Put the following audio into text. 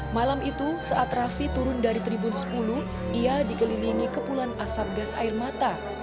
malam itu saat raffi turun dari tribun sepuluh ia dikelilingi kepulan asap gas air mata